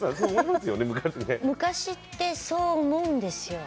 昔ってそう思うんですよ。